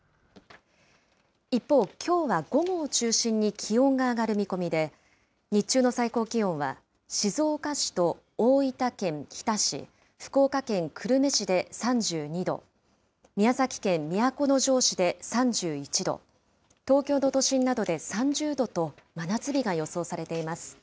一方、きょうは午後を中心に気温が上がる見込みで、日中の最高気温は静岡市と大分県日田市、福岡県久留米市で３２度、宮崎県都城市で３１度、東京の都心などで３０度と真夏日が予想されています。